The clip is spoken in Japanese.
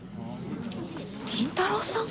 倫太郎さん？